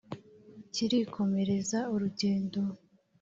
kirikomereza urugendo